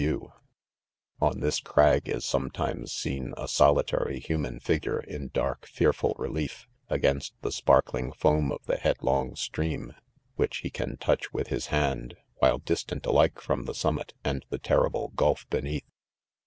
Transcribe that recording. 19$ 4 On tliis crag is sometimes seen a solitary human, figure in dark, fearful relief, against the sparkling foam of the headlong, streara, which he can touch with his hand, while dis tant alike from the summit, and the terrible gulf beneath.